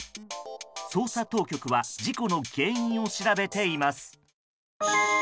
捜査当局は事故の原因を調べています。